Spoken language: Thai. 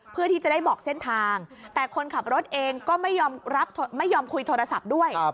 เพื่อที่จะได้บอกเส้นทางแต่คนขับรถเองก็ไม่ยอมคุยโทรศัพท์ด้วย